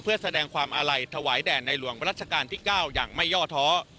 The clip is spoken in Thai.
เพื่อแสดงความอาลัยถวายแด่ในหลวงรัชกาลที่๙อย่างไม่ย่อท้อ